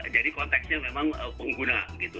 jadi konteksnya memang pengguna gitu